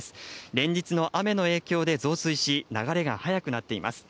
連日の雨の影響で増水し、流れが速くなっています。